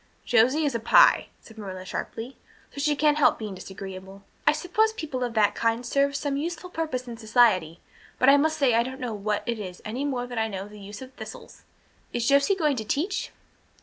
"Josie is a Pye," said Marilla sharply, "so she can't help being disagreeable. I suppose people of that kind serve some useful purpose in society, but I must say I don't know what it is any more than I know the use of thistles. Is Josie going to teach?"